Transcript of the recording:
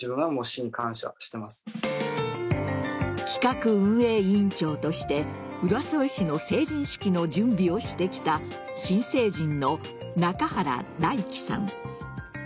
企画運営委員長として浦添市の成人式の準備をしてきた新成人の仲原大樹さん。